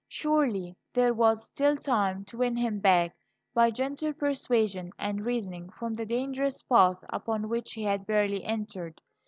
Surely there was still time to win him back by gentle persuasion and reasoning from the dangerous path upon which he had barely entered.